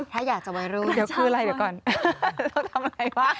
ถ้าอยากจะบอกรู้เดี๋ยวคืออะไรเดี๋ยวก่อนทำอะไรวะ